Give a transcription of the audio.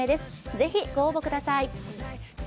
ぜひご応募ください